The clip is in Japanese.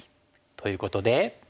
ということで。